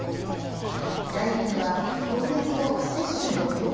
大リーグは、今月を摂取の強化